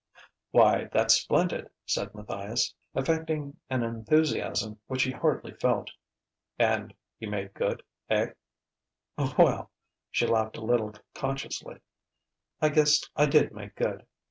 "Why, that's splendid!" said Matthias, affecting an enthusiasm which he hardly felt. "And you made good eh?" "Well" she laughed a little consciously "I guess I did make good.